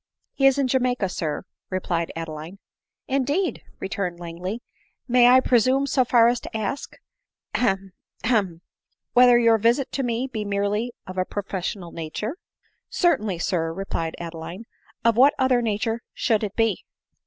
" He is in Jamaica, sir," replied Adeline. " Indeed !" returned Langley. " May I presume so A ADELINE MOWBRAY. 241 « far as to ask — hem, hem — whether your visit to me be merely of a professional nature ? M " Certainly, sir," replied Adeline ;" of what other nature should it be